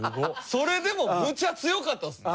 それでもむちゃ強かったですね。